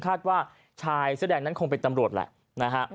คาดว่าชายเสื้อแดงนั้นคงเป็นตำรวจแหละนะฮะ